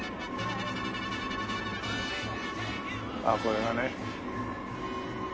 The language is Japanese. あっこれがね。